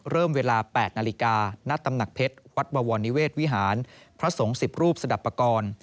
เริ่มเวลา๘นาฬิกาณตำหนักเพชรวัดบวรนิเวศวิหารพระสงฆ์๑๐รูปสดับปกรณ์